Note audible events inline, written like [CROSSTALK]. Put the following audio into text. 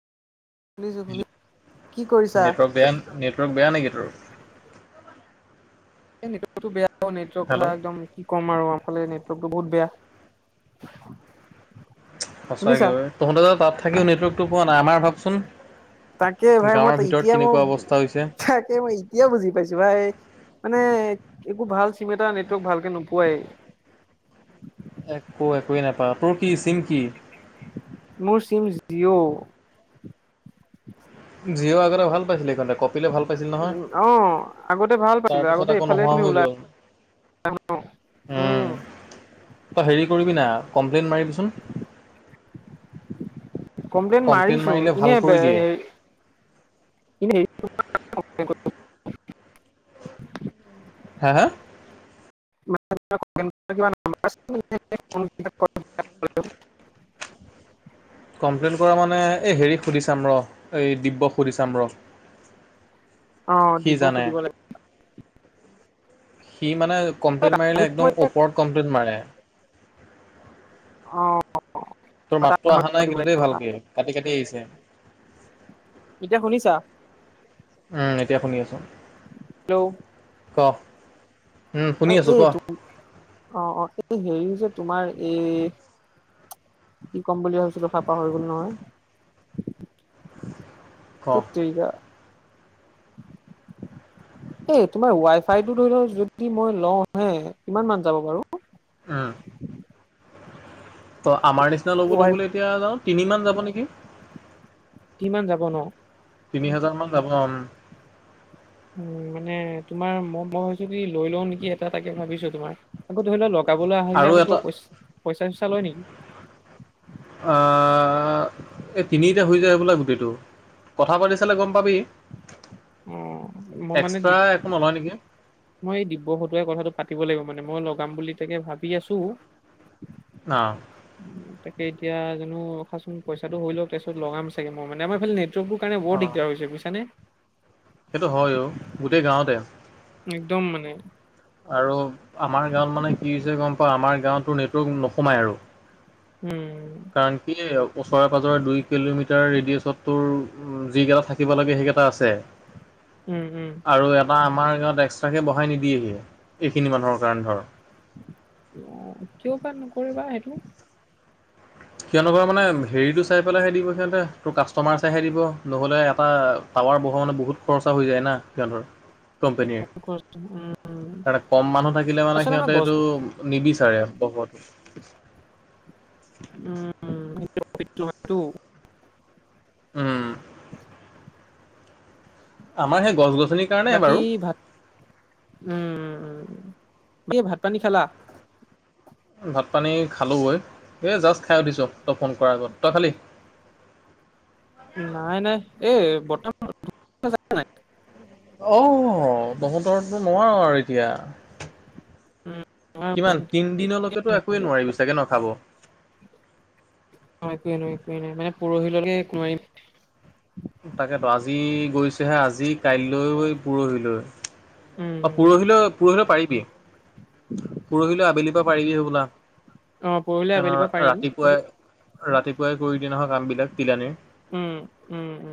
শুনিছো শুনি কি কৰিছা? নেটৱৰ্ক- নেটৱৰ্ক বেয়া নেকি তোৰ। বেয়ানেটৱৰ্ক কথা হেল্ল' একদম কি ক'ম আৰু। ইফালে নেটলগটো বহুত বেয়া। শুনিছা? সচাকে তহতে তাত থাকিও নেটৱৰ্কটো পোৱা নাই আমাৰ ভাবচোন। তাকে ভাই মই গাঁৱৰ ভিতৰত এতিয়া মই কেনেকুৱা অৱস্থা হৈছে তাকে মই এতিয়া বুজি পাইছো ভাই। মানে একো ভাল চিম এটা নেটৱৰ্ক ভালকে নোপোৱাই একো একোৱে নাপা তোৰ কি চিম কিি মোৰ চিম জিঅ' জিঅ আগ ভাল পাইছিলে ক কঁপিলৈ ভাল পাইছিল নহয় উম অ আগতে ভাল পাইছিলো তাৰপিছত আগতে আকৌ এইফালে নোহোৱা তুমি হৈ ওলাই গ'ল উম তই হেৰি কৰিবি না কমপ্লেইন মাৰিবিচোন কমপ্লেইন মাৰিছো মাৰিলে ভাল এনে কৰি দিয়ে হেনে হ হা হা [UNINTELLIGIBLE] [UNINTELLIGIBLE] ে স দিব্য সুধি ৰ অ দিব সুধিব লাগিব সি মানে কমপ্লেইট মাৰিলে মই একদম ওপৰত কমপ্লেইনট মাৰে অ তোৰ তাক মাতটোো অহা নাই দিব কিন্তু দ লাগিব ভালকে কাটি কাটি আহিছে এতিয়া শুনিছা উম এতিয়া শুনি আছো হেল্ল' ক উম অ শুনি আছো ক এই অ অ এই হেৰি যে তোমাৰ এই কি ক'ম বুলি ভাবিছিলো খাই পাহৰি গ'ল নহয় ক তে িক [UNINTELLIGIBLE] এ তোমাৰ ৱাই ফাইটো ধৰি লও যদি মই লওঁ হে কিমান মান যাব বাৰু উম [UNINTELLIGIBLE] ত আমাৰ নিচিনা লগ'বলৈ ৱাই গ'লে এতিয়া যাওঁ তিনি মমান যাব নেকি কিমান যাব ন তিনি হাজাৰ মান যাব অম উ মানে তোমাৰ মই মই ভছো কি লৈ লও নেকি এটা তাকে ভাবিছো তোমাৰ আকৌ ধৰি লও লগ যাবলৈ আৰু আহিলে আকৌ এটা কিবা পইচা পইচা চইচা লয় নেকি অ এই তিনিতে হৈ যায় বোলে গুটেইটো কথা পাতি চালে গম পাবি অ মই মানে এক্সট্ৰা একো নলয় নেকি মই এই দিব্যসতুৱে কথাটো পাতিব লাগিব মানে মই লগাম বুলি তাকে ভাবি আছো অ তাকে এতিয়া জানো অখাচোন পইচাটো হৈ লওক তাৰপিছত লগাম চাগে মানে মই এইফালে চবোৰ কাৰণ অ বৰ দি দিয়া হৈছে বুজছানে সেইটো হয় অ গোটেই গাঁৱতে একদম মানে আৰু আমাৰ গাঁৱত মানে কি হৈছে গম পা আমাৰ গাঁওঁতো ন নোসোমায় আৰু উম কাৰণ কি ওচৰে পাজৰে দুই কিলোমিটাৰ ৰেডিয়েছত তোৰ উ যি কেইটা থাকিব লাগে সেইকেইটা আছে উম উম আৰু এটা আমাৰ গাঁৱত এক্সট্ৰাকে বঢ়াই নিদিয়েহি এইখিনি মানুহৰ কাৰণে ধৰ অ কিয় বা নকৰিবা সেইটো সিয়নো ঘ মানে হেৰিটো চাই পেলাইহে দিব সিহঁতে তোৰ কাষ্টমাৰ চাইহে দিব নহলে এটা পাৱাৰ বহা মানে বহুত খৰচা হৈ যায় না সিহঁতৰ কোম্পেনীৰ ত কম মানুহ থাকিলে মানে আচলতে আমাৰ সিহঁতে গছ এইটো নিবিচাৰে বহত [UNINTELLIGIBLE] উমটো [UNINTELLIGIBLE] উম'। আমাৰ সেই গছ-গছ বাকী ভাত উম উ' এই ভাত পানী খালা? ভাত পানী খালো গৈ, এই জাষ্ট খাই উঠিছ তই ফোন কৰাৰ আগত তই খালি। [INAUDIBLE] নাই, নাই এ বৰ্তমান নাই। অহ তহঁতৰো নোৱাৰো আৰু এতিয়া। কিমান তিনদিনলৈকেতো একোৱেই নোৱাৰিবি চাগে ন' খাব। অ' একোৱে নোৱাৰি, একোৱেই নোৱাৰি নাই মানে পৰহিলৈকে একোৱে নোৱাৰি। তাকেতো আজি গৈছোহে, আজি কাইলৈ, পৰহিলৈ। উম অ'পৰহিলৈ পৰহিলৈ পাৰিবি। পৰহিলৈ আবেলি পৰা পাৰিবি সেই বোলা। অ পৰহিলৈ আবেলিৰ পৰা পাৰিম ৰাতিপুৱাই ৰাতিপুৱাই কৰি দিনাহা কামবিলাক তিলানীৰ উম-উম-উম।